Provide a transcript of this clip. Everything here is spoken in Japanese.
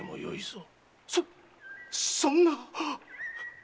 そそんな。